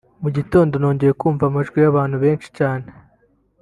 Mu gitondo nongeye kumva amajwi y’abantu benshi cyane